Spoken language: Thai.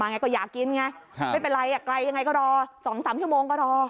ไงก็อยากกินไงไม่เป็นไรไกลยังไงก็รอ๒๓ชั่วโมงก็รอ